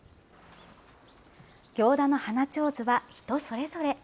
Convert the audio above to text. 行田の花ちょうずは、人それぞれ。